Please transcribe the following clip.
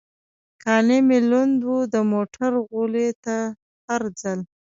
کالي مې لوند و، د موټر غولی هم هر ځل.